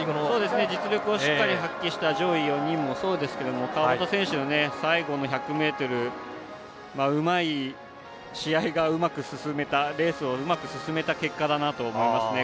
実力をしっかり発揮した上位４人もそうですが川端選手がね最後の１００ｍ試合をうまく進めたレースをうまく進めた結果だなと思います。